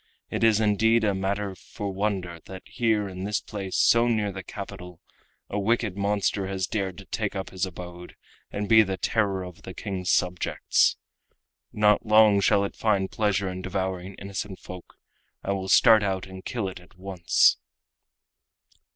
It is indeed a matter for wonder that here in this place, so near the capital, a wicked monster has dared to take up his abode and be the terror of the King's subjects. Not long shall it find pleasure in devouring innocent folk. I will start out and kill it at once."